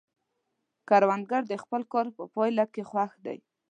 کروندګر د خپل کار په پایله کې خوښ دی